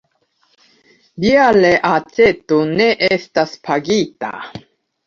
Via reaĉeto ne estas pagita!